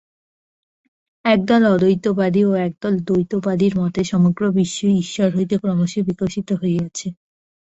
একদল অদ্বৈতবাদী ও একদল দ্বৈতবাদীর মতে সমগ্র বিশ্বই ঈশ্বর হইতে ক্রমশ বিকশিত হইয়াছে।